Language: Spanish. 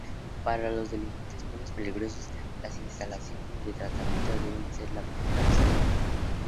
Para los delincuentes menos peligrosos, las instalaciones de tratamiento deben ser la primera opción.